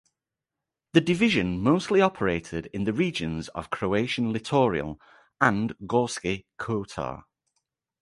The division mostly operated in the regions of Croatian Littoral and Gorski Kotar.